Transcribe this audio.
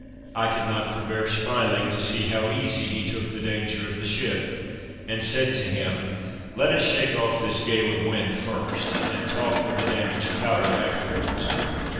I could not forbear smiling to see how easy he took the danger of the ship, and said to him: "Let us shake off this gale of wind first, and talk of the damaged powder afterwards."